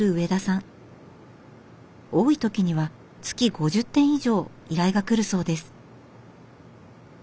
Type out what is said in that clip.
多い時には月５０点以上依頼が来るそうです。